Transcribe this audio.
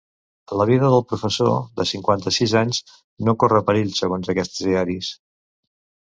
La vida del professor, de cinquanta-sis anys, no corre perill segons aquests diaris.